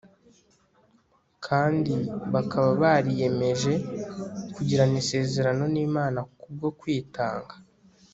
kandi bakaba bariyemeje kugirana isezerano n'imana kubwo kwitanga